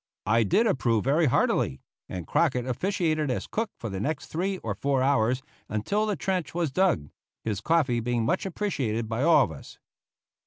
I did approve very heartily, and Crockett officiated as cook for the next three or four hours until the trench was dug, his coffee being much appreciated by all of us.